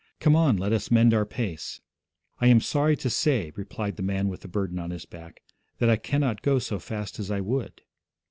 Come on, let us mend our pace! 'I am sorry to say,' replied the man with the burden on his back, 'that I cannot go so fast as I would.'